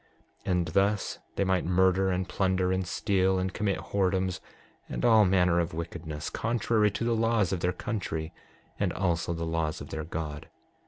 6:23 And thus they might murder, and plunder, and steal, and commit whoredoms and all manner of wickedness, contrary to the laws of their country and also the laws of their God.